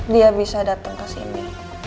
dia bisa dateng kesini